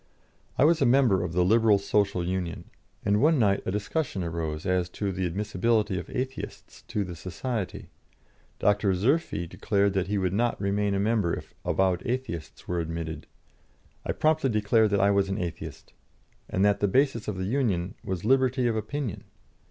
I was a member of the "Liberal Social Union," and one night a discussion arose as to the admissibility of Atheists to the Society. Dr. Zerffi declared that he would not remain a member if avowed Atheists were admitted. I promptly declared that I was an Atheist, and that the basis of the union was liberty of opinion.